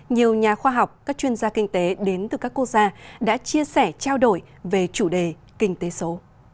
nhiều nhà khoa học các chuyên gia kinh tế đến từ các quốc gia đã chia sẻ trao đổi về chủ đề kinh tế số